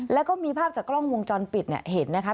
แล้วก็มีภาพจากกล้องวงจรปิดเนี่ยเห็นนะคะ